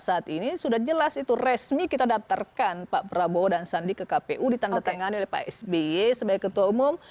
saat ini sudah jelas itu resmi kita daftarkan pak prabowo dan sandi ke kpu ditandatangani oleh pak sby sebagai ketua umum